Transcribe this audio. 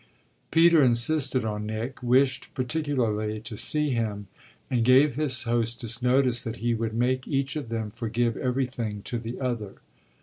Peter insisted on Nick, wished particularly to see him, and gave his hostess notice that he would make each of them forgive everything to the other.